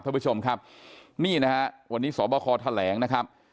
ท่านผู้ชมครับนี่นะฮะวันนี้สบคแถลงนะครับ